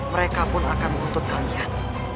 mereka pun akan menuntut kalian